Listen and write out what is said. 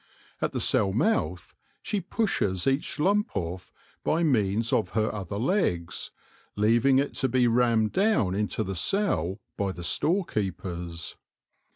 At the cell mouth she pushes each lump off by means of her other legs, leaving it to be rammed down into the cell by the store keepers.